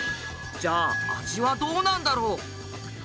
じゃあ味はどうなんだろう？